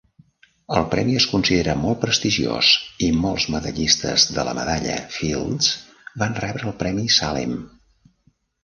El premi es considera molt prestigiós i molts medallistes de la Medalla Fields van rebre el premi Salem.